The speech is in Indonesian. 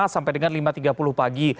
lima sampai dengan lima tiga puluh pagi